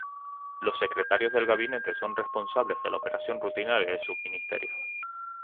Los secretarios del gabinete son responsables de la operación rutinaria de sus ministerios.